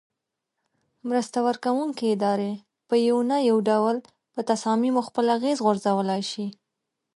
مرسته ورکوونکې ادارې په یو نه یو ډول په تصامیمو خپل اغیز غورځولای شي.